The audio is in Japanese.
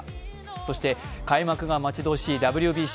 そして開幕が待ち遠しいＷＢＣ。